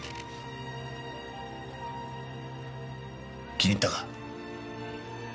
気に入ったか？